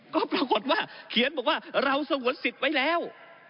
ก็ปรากฏว่าเขียนบอกว่าเราสงวนสิทธิ์ไว้แล้ว